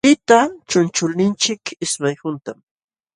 Tita chunchulninchik ismay huntam.